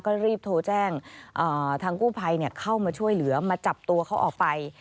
ก็รีบโทรแจ้งทางกู้ภัยเข้ามาช่วยเหลือมาจับตัวเขาออกไป